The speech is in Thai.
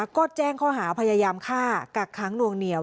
ก็แจ้งข้อหาพยายามฆ่ากักค้างนวงเหนียว